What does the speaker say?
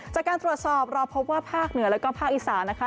จากการตรวจสอบเราพบว่าภาคเหนือแล้วก็ภาคอีสานนะคะ